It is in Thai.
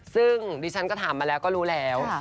ซึ่งดิฉันก็ถามมาแล้วก็รู้แล้ว